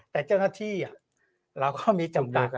แต่เจ้าหน้าที่เราก็มีจำกัด